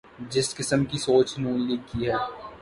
جس قسم کی سوچ ن لیگ کی ہے۔